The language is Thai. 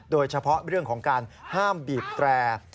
โดยเฉพาะเรื่องของการห้ามบีบแตร